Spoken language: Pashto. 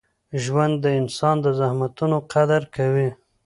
ژوند د انسان د زحمتونو قدر کوي.